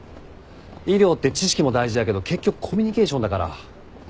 医療って知識も大事だけど結局コミュニケーションだから。